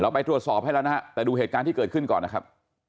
ไปตรวจสอบให้แล้วนะฮะแต่ดูเหตุการณ์ที่เกิดขึ้นก่อนนะครับ